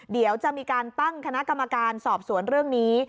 เดี๋ยวจะมีการตั้งคณะกรรมการสอบสวนเรื่องนี้